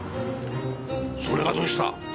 それがどうした？